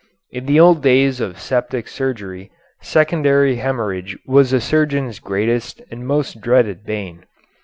In the old days of septic surgery secondary hemorrhage was the surgeon's greatest and most dreaded bane.